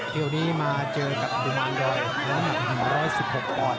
เที่ยวนี้มาเจอกับกุมารดอยน้ำหนัก๑๑๖ปอนด